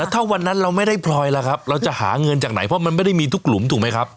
ถ้าวันนั้นเราไม่ได้พลอยล่ะครับเราจะหาเงินจากไหนเพราะมันไม่ได้มีทุกหลุมถูกไหมครับ